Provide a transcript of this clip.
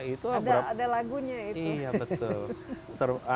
itu ada lagunya itu